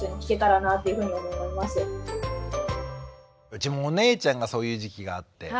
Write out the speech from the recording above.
うちもお姉ちゃんがそういう時期があって。